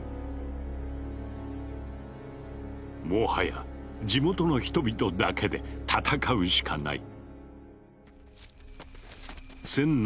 もはや地元の人々だけで戦うしかない。